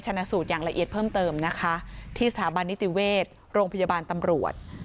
ชนะสูตรอย่างละเอียดเพิ่มเติมนะคะที่สถาบันนิติเวชโรงพยาบาลตำรวจ